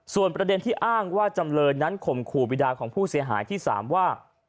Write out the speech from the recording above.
ส่วนประเด็นที่อ้างว่าจำเลยนั้นข่มขู่บิดาของผู้เสียหายที่๓ว่า